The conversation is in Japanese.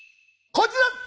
こちら！